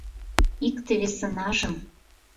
Икте-весынажым